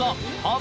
あ！